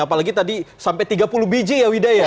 apalagi tadi sampai tiga puluh biji ya wida ya